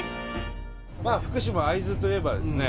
まあ福島会津といえばですね